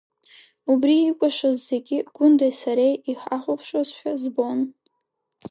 Убри икәашоз зегьы, Гәындеи сареи иҳахәаԥшуазшәа збон.